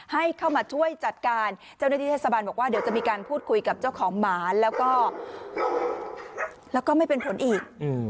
ให้เข้ามาช่วยจัดการเจ้าหน้าที่เทศบาลบอกว่าเดี๋ยวจะมีการพูดคุยกับเจ้าของหมาแล้วก็ไม่เป็นผลอีก